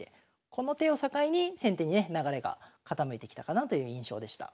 この手を境に先手にね流れが傾いてきたかなという印象でした。